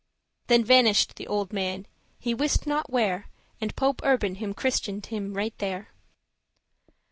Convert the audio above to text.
Then vanish'd the old man, he wist not where And Pope Urban him christened right there.